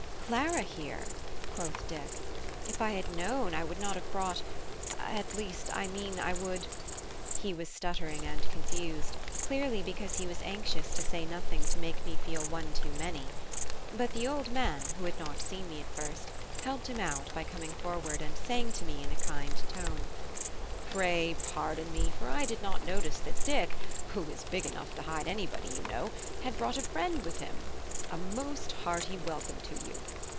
"Clara here?" quoth Dick; "if I had known, I would not have brought At least, I mean I would " He was stuttering and confused, clearly because he was anxious to say nothing to make me feel one too many. But the old man, who had not seen me at first, helped him out by coming forward and saying to me in a kind tone: "Pray pardon me, for I did not notice that Dick, who is big enough to hide anybody, you know, had brought a friend with him. A most hearty welcome to you!